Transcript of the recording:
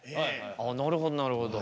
ああなるほどなるほど。